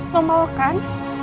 lo mau kan